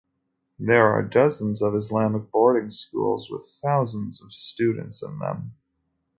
There are dozens of Islamic boarding schools with thousands of students in them.